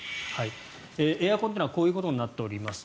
エアコンというのはこうなっております。